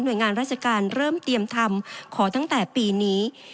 โดยงานราชการเริ่มเตรียมทำขอตั้งแต่ปีนี้